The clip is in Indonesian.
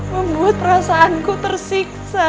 membuat perasaanku tersiksa